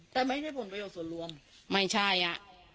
แต่ไม่ได้ผลประโยชน์ส่วนรวมไม่ใช่อ่ะ